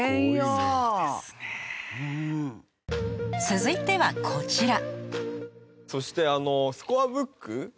続いてはこちらそしてスコアブック